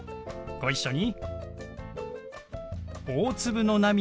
ご一緒に。